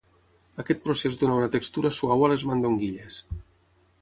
Aquest procés dóna una textura suau a les mandonguilles.